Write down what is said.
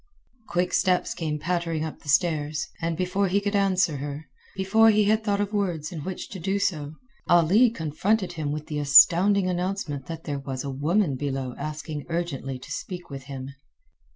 Quick steps came pattering up the stairs, and before he could answer her, before he had thought of words in which to do so, Ali confronted him with the astounding announcement that there was a woman below asking urgently to speak with him.